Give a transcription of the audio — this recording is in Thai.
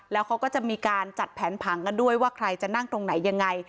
แล้วเขาก็จะมีการจัดแผนผังกันด้วยว่าใครจะนั่งตรงไหนยังไง